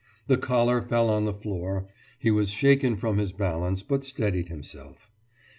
The collar fell on the floor; he was shaken from his balance, but steadied himself.